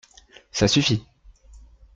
Ça suffit !